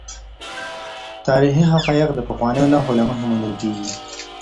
تاریخي حقایق د پخوانیو نښو له مخې موندل کیږي.